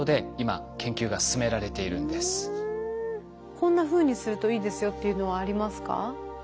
「こんなふうにするといいですよ」っていうのはありますか？